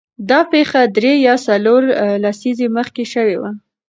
دا پېښه درې یا څلور لسیزې مخکې شوې وه.